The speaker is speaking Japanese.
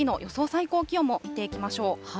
最高気温も見ていきましょう。